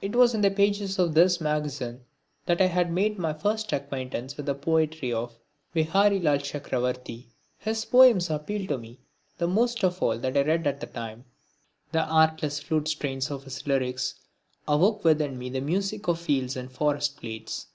It was in the pages of this magazine that I made my first acquaintance with the poetry of Viharilal Chakravarti. His poems appealed to me the most of all that I read at the time. The artless flute strains of his lyrics awoke within me the music of fields and forest glades.